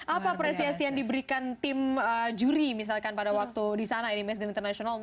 apa apresiasi yang diberikan tim juri misalkan pada waktu di sana ini mas dan international